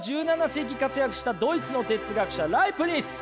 １７世紀活躍したドイツの哲学者ライプニッツ！